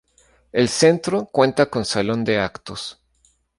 El centro cuenta con salón de actos.